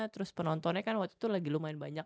terus penontonnya kan waktu itu lagi lumayan banyak